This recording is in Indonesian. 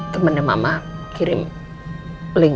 temannya mama kirim link